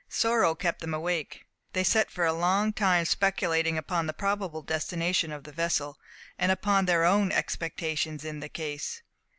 Sorrow kept them awake. They sat for a long time speculating upon the probable destination of the vessel, and upon their own expectations in the case.